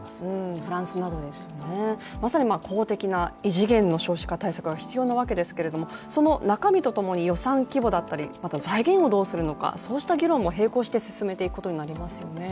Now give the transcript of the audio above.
フランスなどですよね、まさに公的な異次元な少子化対策が必要なわけですけどもその中身と共に予算規模だったりまた財源をどうするのか、そうした議論も並行して進めていくことになりますよね。